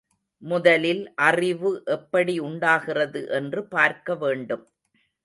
முதலில் அறிவு எப்படி உண்டாகிறது என்று பார்க்கவேண்டும்.